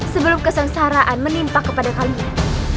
sebelum kesengsaraan menimpa kepada kalian